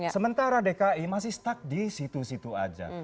sementara dki masih stuck di situ situ aja